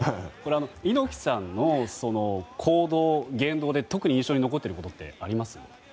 猪木さんの行動、言動で特に印象に残っていることってありますか？